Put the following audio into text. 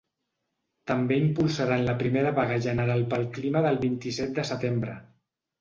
També impulsaran la primera vaga general pel clima del vint-i-set de setembre.